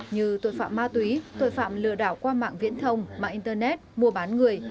như tội phạm ma túy tội phạm lừa đảo qua mạng viễn thông mạng internet mua bán người